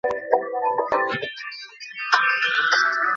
এমন কোন মানবীয় বিধান নেই, যার অপব্যবহার হয়নি।